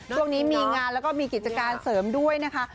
ช่วงนี้มีงานแล้วก็มีกิจการเสริมด้วยนะคะ